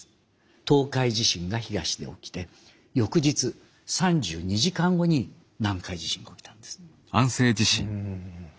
東海地震が東で起きて翌日３２時間後に南海地震が起きたんです。